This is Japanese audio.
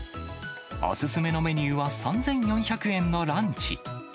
お勧めのメニューは、３４００円のランチ。